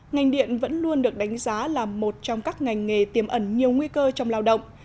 ngành điện vẫn luôn được đánh giá là một trong các ngành nghề tiềm ẩn nhiều nguy cơ trong lao động